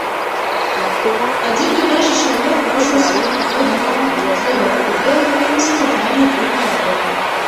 Адзін тутэйшы чалавек варочаўся пехатой дадому здалёку, куды яго немцы загналі былі на работу.